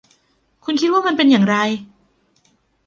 คุณคิดว่ามันเป็นอย่างไร